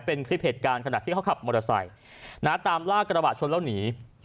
เป็นคลิปเหตุการณ์ขณะที่เขาขับมอเตอร์ไซค์ตามลากกระบะชนแล้วหนี